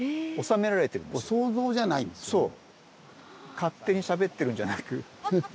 勝手にしゃべってるんじゃなく。